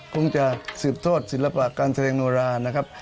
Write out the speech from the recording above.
คงจะสืบทอดศิลปะการแสดงโนรานะครับ